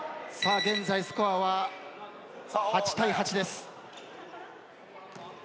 現在スコアは８対８です。